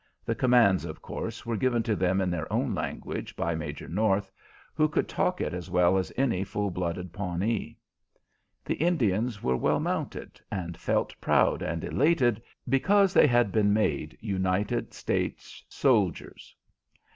The commands, of course, were given to them in their own language by Major North, who could talk it as well as any full blooded Pawnee. The Indians were well mounted, and felt proud and elated because they had been made United States soldiers.